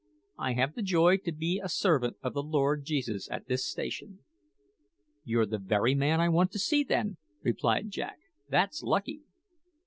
I have the joy to be a servant of the Lord Jesus at this station." "You're the very man I want to see, then," replied Jack; "that's lucky.